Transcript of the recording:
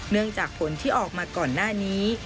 จากผลที่ออกมาก่อนหน้านี้